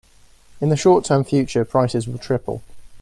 In the short term future, prices will triple.